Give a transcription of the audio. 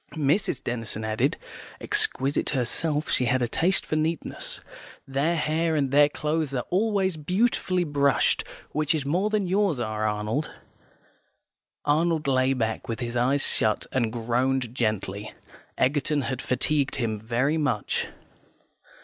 Mrs. Denison added, (exquisite herself, she had a taste for neatness): "Their hair and their clothes are always beautifully brushed; which is more than yours are, Arnold." Arnold lay back with his eyes shut, and groaned gently. Egerton had fatigued him very much.